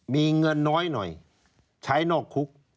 มีเงินน้อยหน่อยใช้นอกคุก